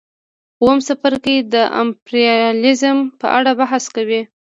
اووم څپرکی د امپریالیزم په اړه بحث کوي